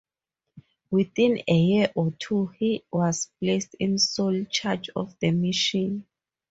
Within a year or two he was placed in sole charge of the mission.